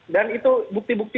dan itu bukti bukti